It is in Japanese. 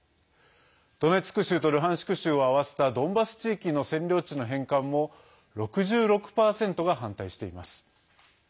ドネツク州とルハンシク州を合わせたドンバス地域の占領地の返還も６６％が反対しています。